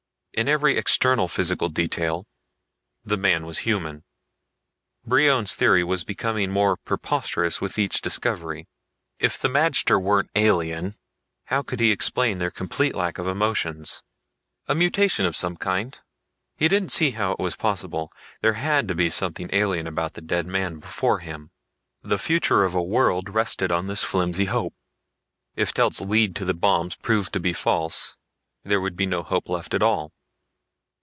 In every external physical detail the man was human. Brion's theory was becoming more preposterous with each discovery. If the magter weren't alien, how could he explain their complete lack of emotions? A mutation of some kind? He didn't see how it was possible. There had to be something alien about the dead man before him. The future of a world rested on this flimsy hope. If Telt's lead to the bombs proved to be false, there would be no hope left at all.